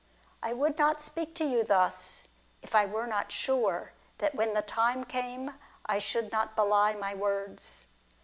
I would not speak to you thus, if I were not sure that when the time came I should not belie my words.